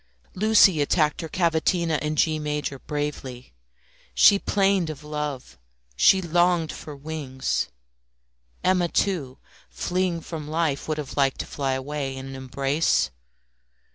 Lucie attacked her cavatina in G major bravely. She plained of love; she longed for wings. Emma, too, fleeing from life, would have liked to fly away in an embrace.